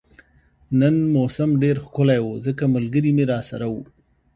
نن موسم ډیر ښکلی وو ځکه ملګري مې راسره وو